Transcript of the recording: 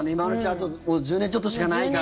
あと１０年ちょっとしかないから。